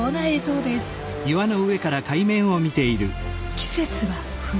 季節は冬。